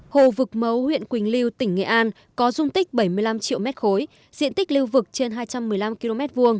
hồ vực mấu huyện quỳnh lưu tỉnh nghệ an có dung tích bảy mươi năm triệu m ba diện tích lưu vực trên hai trăm một mươi năm km hai